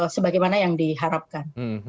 sebagaimana yang diharapkan